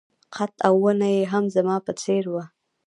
قد او ونه يې هم زما په څېر وه.